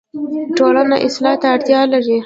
ټولنه اصلاح ته اړتیا لري